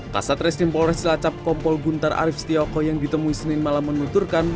pasat restim polres tlacap kompol guntar arief setioko yang ditemui senin malam menuturkan